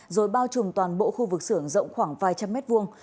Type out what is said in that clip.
rồi bao trùm toàn bộ khu vực xưởng rộng khoảng vài trăm mét vuông